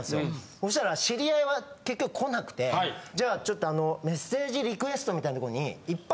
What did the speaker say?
そしたら知り合いは結局来なくてじゃあちょっとメッセージリクエストみたいなとこに。